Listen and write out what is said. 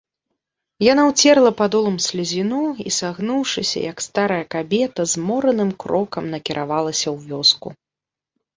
Яна ўцерла падолам слязіну і, сагнуўшыся, як старая кабета, змораным крокам накіравалася ў вёску.